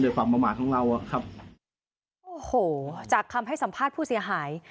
ความประมาทของเราอ่ะครับโอ้โหจากคำให้สัมภาษณ์ผู้เสียหาย